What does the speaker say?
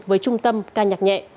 với trung tâm ca nhạc nhẹ